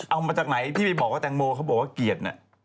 เอามาจากไหนที่ไปบอกว่าแตงโมเขาบอกว่าเกียรติ